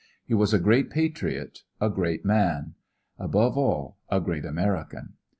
He was a great patriot, a great man; above all, a great American.